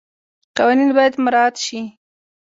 قوانین باید مراعات شي.